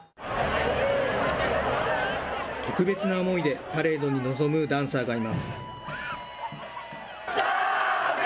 特別な思いでパレードに臨むダンサーがいます。